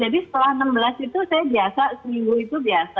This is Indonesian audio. jadi setelah enam belas itu saya biasa seminggu itu biasa